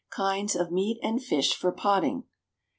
=Kinds of Meat and Fish for Potting.